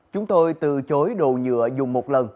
chúng tôi từ chối đồ nhựa dùng một lần